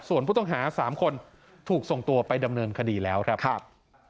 ส่วนผู้ต้องหา๓คนถูกส่งตัวไปดำเนินคดีแล้วครับ